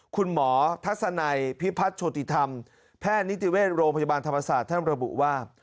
คุณหมอทัศนัยพิพัฒน์โชติธรรมแพทย์นิติเวชโรงพยาบาลธรรมศาสตร์ท่านระบุว่า